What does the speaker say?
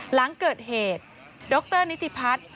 หลังเกิดเหตุดรนิติพัฒน์